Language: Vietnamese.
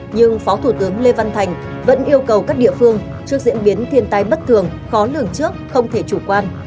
nhưng phó thủ tướng lê văn thành vẫn yêu cầu các địa phương trước diễn biến thiên tai bất thường khó lường trước không thể chủ quan